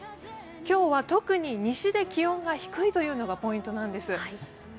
今日は特に西で気温が低いというのがポイントなんです。